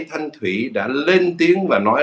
thanh thủy đã lên tiếng và nói